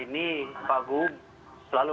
ini pak gu selalu